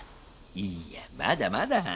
いやまだまだ。